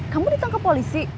kamu ditangkap polisi